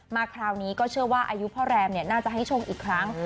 คราวนี้ก็เชื่อว่าอายุพ่อแรมน่าจะให้โชคอีกครั้ง